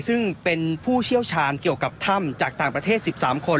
ซึ่งเป็นผู้เชี่ยวชาญเกี่ยวกับถ้ำจากต่างประเทศ๑๓คน